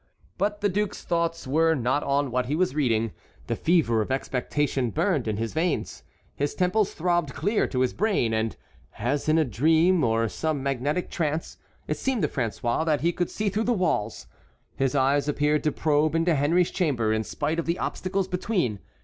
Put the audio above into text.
But the duke's thoughts were not on what he was reading; the fever of expectation burned in his veins. His temples throbbed clear to his brain, and as in a dream or some magnetic trance, it seemed to François that he could see through the walls. His eyes appeared to probe into Henry's chamber, in spite of the obstacles between.